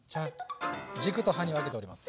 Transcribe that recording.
軸と葉に分けております。